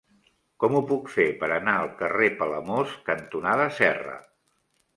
Com ho puc fer per anar al carrer Palamós cantonada Serra?